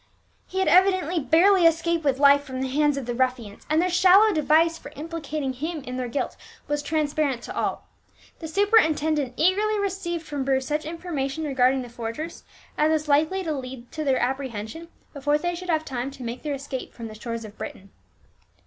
He had evidently barely escaped with life from the hands of the ruffians, and their shallow device for implicating him in their guilt was transparent to all. The superintendent eagerly received from Bruce such information regarding the forgers as was likely to lead to their apprehension before they should have time to make their escape from the shores of Britain.